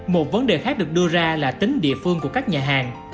một vấn đề khác được đưa ra là tính địa phương của các nhà hàng